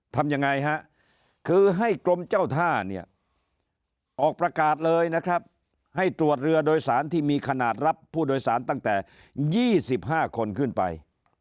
ทำยังไงฮะคือให้กรมเจ้าท่าเนี่ยออกประกาศเลยนะครับให้ตรวจเรือโดยสารที่มีขนาดรับผู้โดยสารตั้งแต่๒๕คนขึ้นไป